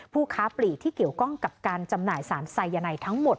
ผู้ค้าปลีกที่เกี่ยวข้องกับการจำหน่ายสารไซยาไนทั้งหมด